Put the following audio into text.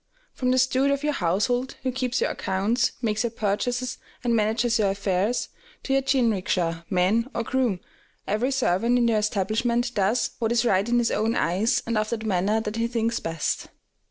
From the steward of your household, who keeps your accounts, makes your purchases, and manages your affairs, to your jinrikisha man or groom, every servant in your establishment does what is right in his own eyes, and after the manner that he thinks best.